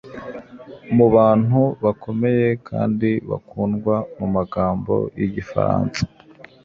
Mubantu bakomeye kandi bakundwa mumagambo yigifaransa